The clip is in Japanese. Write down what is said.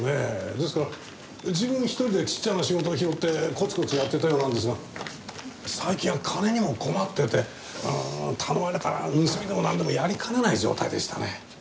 ですから自分一人でちっちゃな仕事を拾ってコツコツやってたようなんですが最近は金にも困ってて頼まれたら盗みでもなんでもやりかねない状態でしたね。